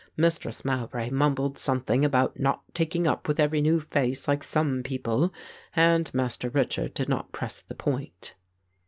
Mistress Mowbray mumbled something about not taking up with every new face, like some people, and Master Richard did not press the point."